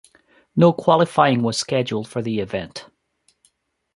No qualifying was scheduled for the event.